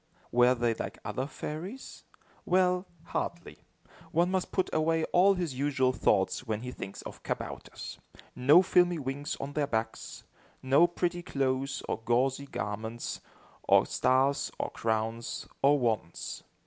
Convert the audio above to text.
Were they like other fairies? Well, hardly. One must put away all his usual thoughts, when he thinks of kabouters. No filmy wings on their backs! No pretty clothes or gauzy garments, or stars, or crowns, or wands!